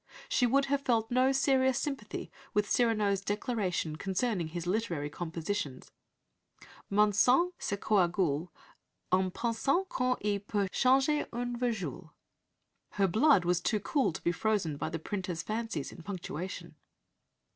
She would have felt no serious sympathy with Cyrano's declaration concerning his literary compositions "... Mon sang se coagule En pensant qu'on y peut changer une virgule." Her blood was too cool to be frozen by the printer's fancies in punctuation.